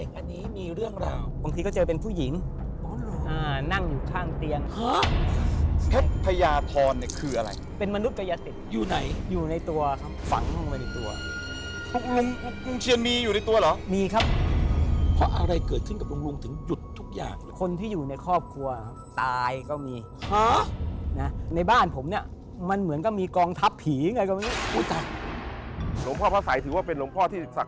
เคยวิ่งไหมเคยวิ่งป้องกันตามแขนตามอะไรอย่างนี้